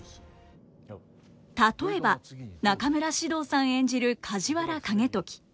例えば中村獅童さん演じる梶原景時。